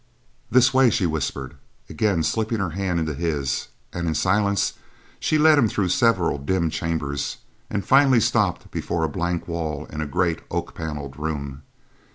"This way," she whispered, again slipping her hand into his and, in silence, she led him through several dim chambers, and finally stopped before a blank wall in a great oak panelled room.